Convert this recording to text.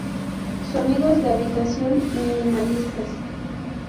Sonidos de habitación minimalistas.